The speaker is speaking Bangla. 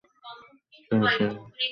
সদকার সামগ্রী খাবেন না।